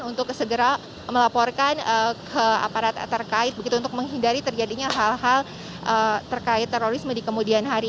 untuk segera melaporkan ke aparat terkait begitu untuk menghindari terjadinya hal hal terkait terorisme di kemudian hari